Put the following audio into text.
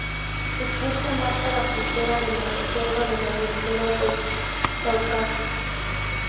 Su curso marca la frontera de la Reserva de la Biosfera del Cáucaso.